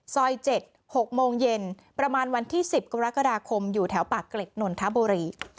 ซอย๗๖โมงเย็นประมาณวันที่๑๐กรกฎาคมอยู่แถวปากเกร็ดนนทบุรี